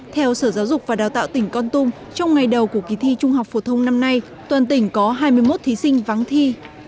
theo sở giáo dục và đào tạo tỉnh con tum trong ngày đầu của kỳ thi trung học phổ thông năm nay toàn tỉnh có hai mươi một thí sinh vắng thi